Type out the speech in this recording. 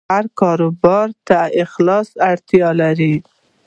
هر کاروبار ته اخلاق اړتیا لري.